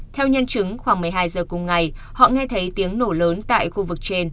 theo nhân chứng khoảng một mươi hai giờ cùng ngày họ nghe thấy tiếng nổ lớn tại khu vực trên